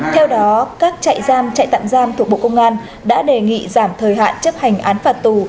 theo đó các trại giam chạy tạm giam thuộc bộ công an đã đề nghị giảm thời hạn chấp hành án phạt tù